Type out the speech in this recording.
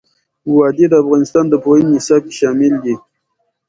وادي د افغانستان د پوهنې نصاب کې شامل دي.